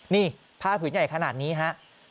นี่ผ้าผืนใหญ่ขนาดนี้ฮะ